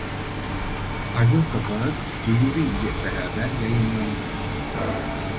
Albüm kapağı duyuru ile beraber yayınlandı.